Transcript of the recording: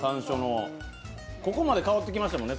ここまで香ってきましたもんね